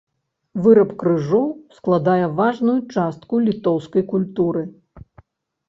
Выраб крыжоў складае важную частку літоўскай культуры.